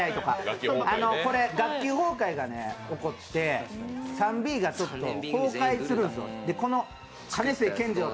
学級崩壊が起こって３Ｂが崩壊するんですよ。